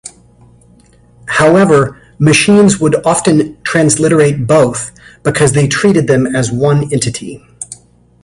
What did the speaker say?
However, machines would often transliterate both because they treated them as one entity.